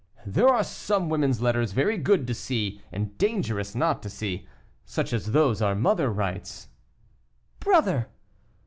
"There are some women's letters very good to see, and dangerous not to see such as those our mother writes." "Brother!"